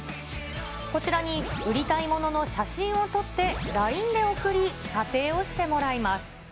こちらに売りたいものの写真を撮って、ＬＩＮＥで送り、査定をしてもらいます。